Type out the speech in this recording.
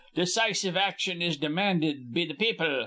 Decisive action is demanded be th' people.